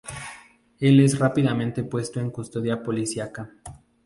Él es rápidamente puesto en custodia policíaca.